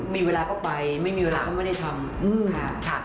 มีเวลาก็ไปไม่มีเวลาก็ไม่ได้ทำค่ะ